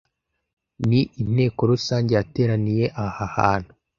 ni Inteko Rusange yateraniye ahahantu